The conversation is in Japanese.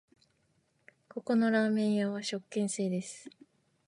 ここのラーメン屋は食券制です